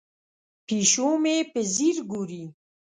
پیشو مې په ځیر ګوري.